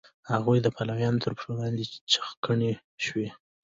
هغوی د پیلانو تر پښو لاندې چخڼي شول.